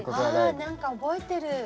あ何か覚えてる。